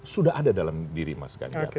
sudah ada dalam diri mas ganjar